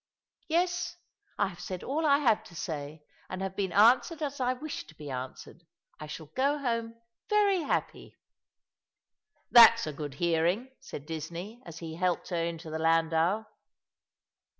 "Yes; I have said all I had to say, and have been answered as I wished to be answered. I shall go home very happy." "That's a good hearing," said Disney, as he helped her into the landau.